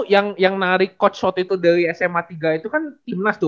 yang narik coach waktu itu dari sma tiga itu kan timnas tuh